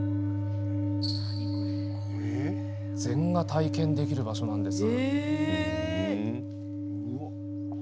禅が体験できる場所なんです。